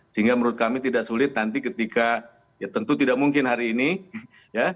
sehingga menurut kami tidak sulit nanti ketika ya tentu tidak mungkin hari ini ya